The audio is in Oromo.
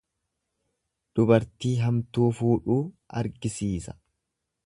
Dubartii hamtuu fuudhuu argisiisa.